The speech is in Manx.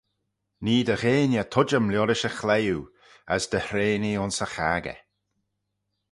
Nee dty gheiney tuittym liorish y chliwe, as dty hreanee ayns y chaggey.